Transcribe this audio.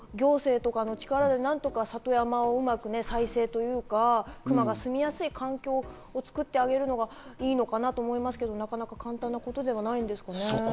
高齢化とかもあるけれども、行政とかの力で何とか里山をうまく再生というか、クマが住みやすい環境を作ってあげるのがいいのかなと思いますけど、なかなか簡単なことではないですね。